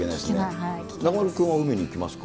中丸君は海行きますか？